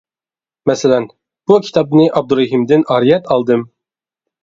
مەسىلەن: بۇ كىتابنى ئابدۇرېھىمدىن ئارىيەت ئالدىم.